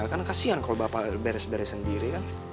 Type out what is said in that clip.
kan kasihan kalo bapak beres beres sendiri kan